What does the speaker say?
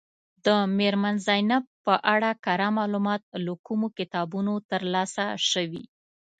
د میرمن زینب په اړه کره معلومات له کومو کتابونو ترلاسه شوي.